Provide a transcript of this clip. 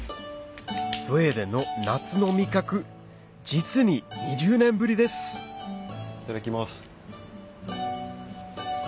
スウェーデンの夏の味覚実に２０年ぶりですいただきます。